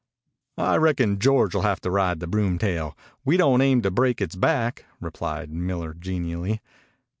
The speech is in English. "I reckon George will have to ride the broomtail. We don't aim to break its back," replied Miller genially.